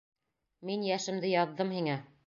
Мин йәшемде яҙҙым һиңә.